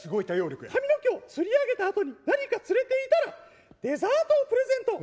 髪の毛を釣り上げたあとに何か釣れていたらデザートをプレゼント。